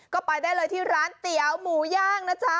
ก็ไปได้เลยที่ร้านเตี๋ยวหมูย่างนะจ๊ะ